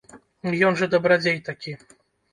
Ён жа дабрадзей такі.